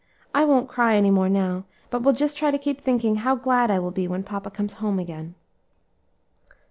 "I won't cry any more now, but will just try to keep thinking how glad I will be when papa comes home again."